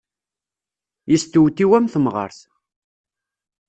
Yestewtiw am temɣart.